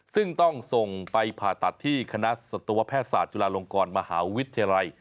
ซึ่งต้องส่งไปผ่าตัดที่คณะสัตวแพทยศาสตร์จุฬาลงกรมหาวิทยาลัย